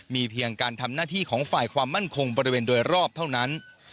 มีเพียงการทำหน้าที่ของฝ่ายความมั่นคงบริเวณโดยรอบเท่านั้น